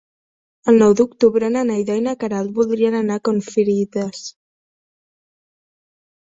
El nou d'octubre na Neida i na Queralt voldrien anar a Confrides.